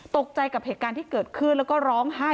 ตกใจกับเหตุการณ์ที่เกิดขึ้นแล้วก็ร้องไห้